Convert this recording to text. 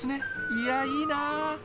いやいいなぁ。